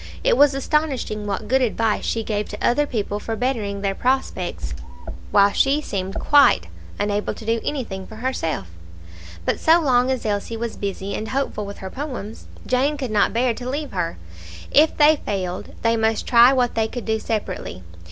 It was astonishing what good advice she gave to other people for bettering their prospects, while she seemed quite unable to do anything for herself. But so long as Elsie was busy and hopeful with her poems, Jane could not bear to leave her; if they failed, they must try what they could do separately.